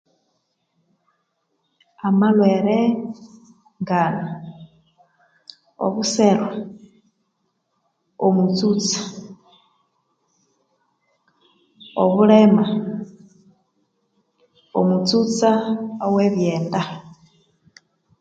Amalhwere nga obuserwa omutsutsa obulema omutsutsa owe byenda